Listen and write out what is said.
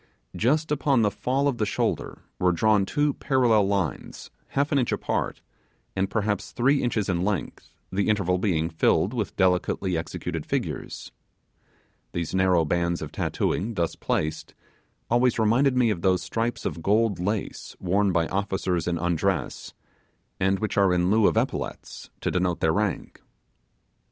Just upon the fall of the shoulder were drawn two parallel lines half an inch apart, and perhaps three inches in length, the interval being filled with delicately executed figures. These narrow bands of tattooing, thus placed, always reminded me of those stripes of gold lace worn by officers in undress, and which are in lieu of epaulettes to denote their rank.